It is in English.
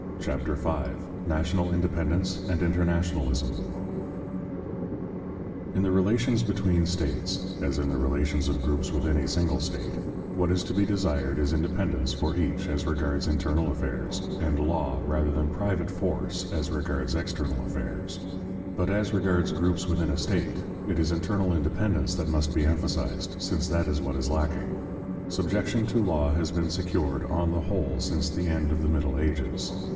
Chapter V: National Independence and Internationalism In the relations between states, as in the relations of groups within a single state, what is to be desired is independence for each as regards internal affairs, and law rather than private force as regards external affairs. But as regards groups within a state, it is internal independence that must be emphasized, since that is what is lacking; subjection to law has been secured, on the whole, since the end of the Middle Ages.